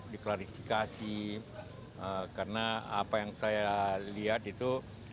diklarifikasi karena apa yang saya lihat itu